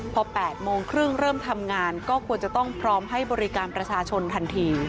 พอ๘โมงครึ่งเริ่มทำงานก็ควรจะต้องพร้อมให้บริการประชาชนทันที